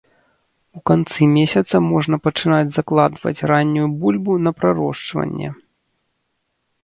У канцы месяца можна пачынаць закладваць раннюю бульбу на прарошчванне.